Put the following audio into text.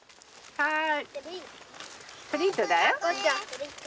はい。